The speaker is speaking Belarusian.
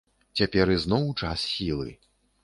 Цяпер ізноў час сілы.